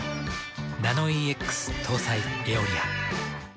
ナノイーＸ搭載「エオリア」。